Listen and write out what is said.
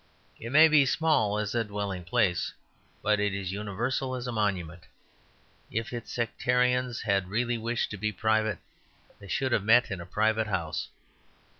It may be small as a dwelling place, but it is universal as a monument; if its sectarians had really wished to be private they should have met in a private house.